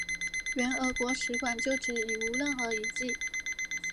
原俄国使馆旧址已无任何遗迹。